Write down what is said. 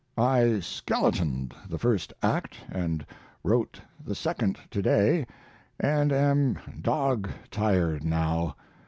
I skeletoned the first act and wrote the second to day, and am dog tired now.